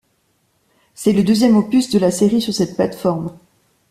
C'est le deuxième opus de la série sur cette plate-forme.